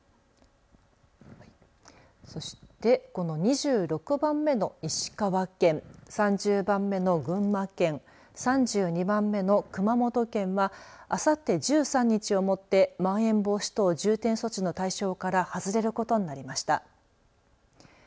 そして、この２６番目の石川県３０番目の群馬県３２番目の熊本県はあさって１３日をもってまん延防止等重点措置の対象からはずれることになりました。